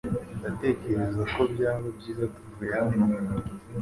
Ndatekereza ko byaba byiza tuvuye hano .